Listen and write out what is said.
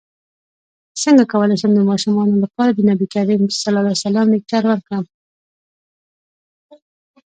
څنګه کولی شم د ماشومانو لپاره د نبي کریم ص لیکچر ورکړم